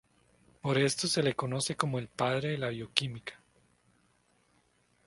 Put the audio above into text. Por esto se le conoce como el "padre de la bioquímica".